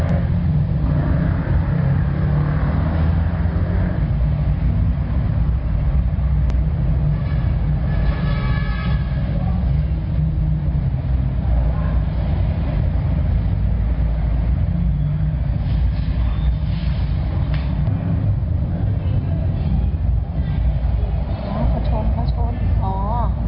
โอ้โหเขาชนเขาชนเขาชนอ๋อ